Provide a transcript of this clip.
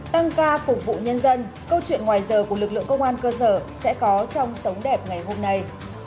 tăng ca phục vụ nhân dân câu chuyện ngoài giờ của lực lượng công an cơ sở sẽ có trong sống đẹp ngày hôm nay